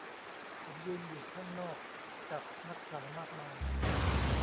ผมยืนอยู่ข้างนอก กับนักข่าวมากมาย